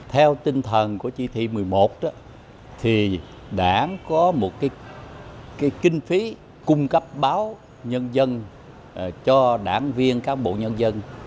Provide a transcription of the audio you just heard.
theo tinh thần của chỉ thị một mươi một thì đảng có một kinh phí cung cấp báo nhân dân cho đảng viên cán bộ nhân dân